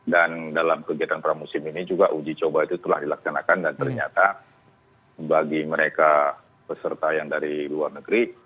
dan dalam kegiatan pramusim ini juga uji coba itu telah dilaksanakan dan ternyata bagi mereka peserta yang dari luar negeri